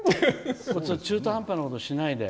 中途半端なことしないで。